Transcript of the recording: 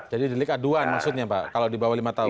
jadi delik aduan maksudnya pak kalau di bawah lima tahun